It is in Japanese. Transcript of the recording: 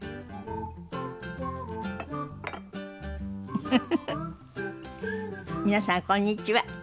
フフフフ皆さんこんにちは。